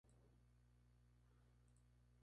Finalmente, nos queda Jo.